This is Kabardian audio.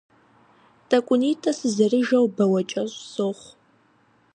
Тӏэкӏунитӏэ сызэрыжэу бауэкӏэщӏ сохъу.